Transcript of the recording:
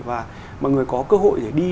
và mọi người có cơ hội để đi